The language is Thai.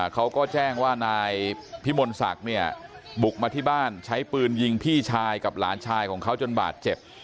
เขาก็แจ้งว่านายพิมลศักดิ์เนี่ยบุกมาที่บ้านใช้ปืนยิงพี่ชายกับหลานชายของเขาจนบาดเจ็บ